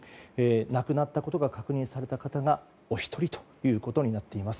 亡くなったことが確認された方がお一人となっています。